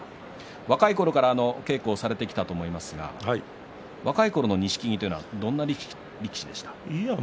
若いころから稽古をされてきたと思いますが若いころの錦木はどんな力士でした？